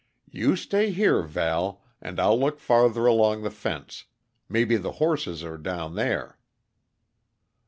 "You stay here, Val, and I'll look farther along the fence; maybe the horses are down there."